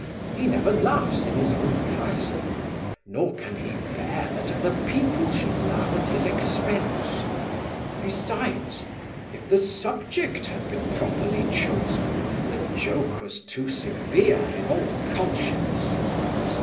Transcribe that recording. He never laughs in his own person; nor can he bear that other people should laugh at his expence. Besides, if the subject had been properly chosen, the joke was too severe in all conscience.